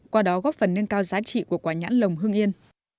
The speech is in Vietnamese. qua đó góp phần nâng cao giá trị của quả nhãn lồng hưng yên